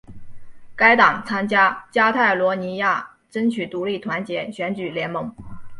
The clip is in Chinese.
该党参加加泰罗尼亚争取独立团结选举联盟。